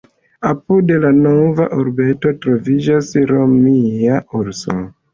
Apud la nova urbeto troviĝas romia "Urso".